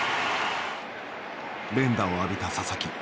連打を浴びた佐々木。